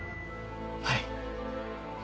はい